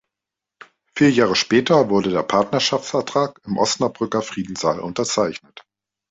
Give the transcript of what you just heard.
Vier Jahre später wurde der Partnerschaftsvertrag im Osnabrücker Friedenssaal unterzeichnet.